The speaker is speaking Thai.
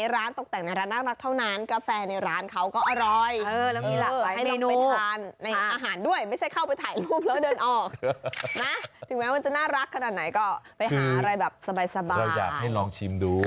เราอยากให้ลองชิมดู